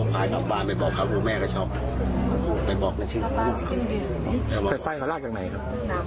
พายรับฝากไปบอกเขาว่าแม่ก็ชอบไปบอกนักชื่อแล้วไปลากจากไหนครับ